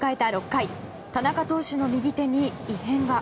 ６回田中投手の右手に異変が。